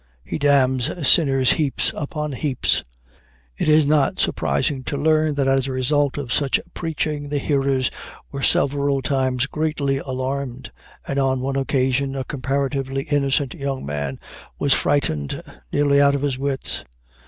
He damns sinners heaps upon heaps." It is not surprising to learn that as a result of such preaching the hearers were several times greatly alarmed, and "on one occasion a comparatively innocent young man was frightened nearly out of his wits."